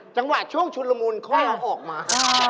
จังหวะช่วงชุนละมุนค่อยเอาออกมา